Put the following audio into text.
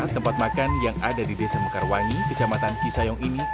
tempat makan yang ada di desa mekarwangi kecamatan cisayong ini